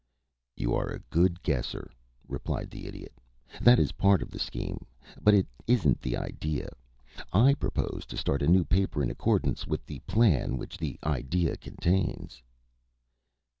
"You are a good guesser," replied the Idiot. "That is a part of the scheme but it isn't the idea. I propose to start a new paper in accordance with the plan which the idea contains."